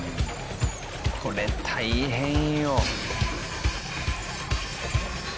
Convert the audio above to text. これ大変よ。